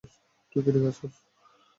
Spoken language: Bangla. তুই ঠিক আছস?